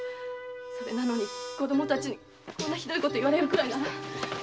それなのに子供たちにこんなひどいこと言われるぐらいならあたし出て行きます！